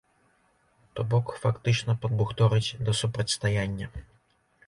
То бок, фактычна, падбухторыць да супрацьстаяння.